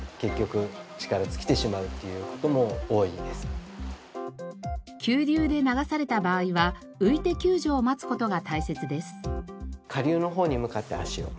実際には急流で流された場合は浮いて救助を待つ事が大切です。